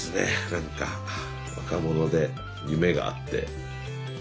何か若者で夢があって。